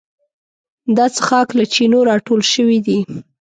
دا څښاک له چینو راټول شوی دی.